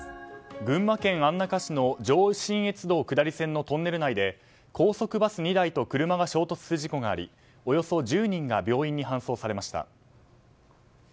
群馬県安中市の上信越道下り線のトンネル内で高速バス２台と車が衝突する事故がありおよそ１０人が病院に搬送されました。